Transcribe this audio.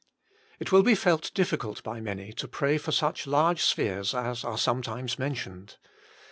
It will be felt diflicult by many to pray for such large spheres as are sometimes mentioned.